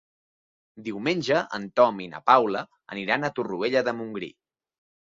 Diumenge en Tom i na Paula aniran a Torroella de Montgrí.